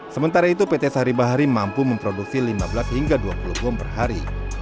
sementara itu pt sari bahari mampu memproduksi lima belas hingga dua puluh bom per hari